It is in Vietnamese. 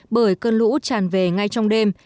bởi cơn lũ tràn về ngay trong đêm